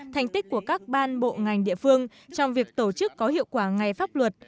thành tích của các ban bộ ngành địa phương trong việc tổ chức có hiệu quả ngày pháp luật